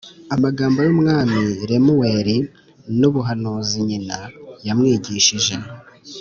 amagambo y’umwami lemuweli n’ubuhanuzi nyina yamwigishije: